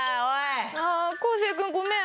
あ昴生君ごめん。